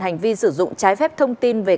hành vi sử dụng trái phép thông tin về